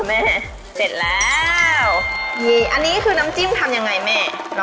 แล้วทานกับน้ำจิ้มเหมือนไหมคะ